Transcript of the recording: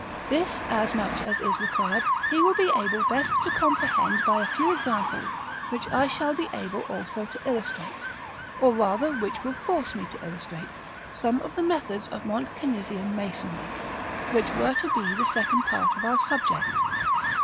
This, as much as is required, he will be able best to comprehend by a few examples; by which I shall be able also to illustrate, or rather which will force me to illustrate, some of the methods of Mont Cenisian masonry, which were to be the second part of our subject.